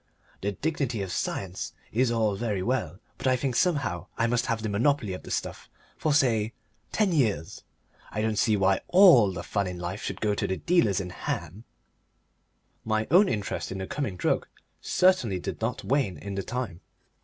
The dignity of science is all very well, but I think somehow I must have the monopoly of the stuff for, say, ten years. I don't see why ALL the fun in life should go to the dealers in ham." My own interest in the coming drug certainly did not wane in the time.